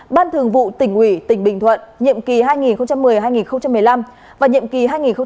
ban thường vụ tỉnh ubnd tỉnh bình thuận nhiệm kỳ hai nghìn một mươi hai nghìn một mươi năm và nhiệm kỳ hai nghìn một mươi năm hai nghìn hai mươi